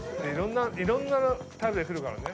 いろんなカーブでくるからね。